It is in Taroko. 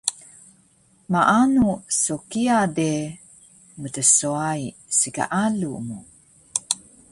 Maanu so kiya de mtswai sgaalu mu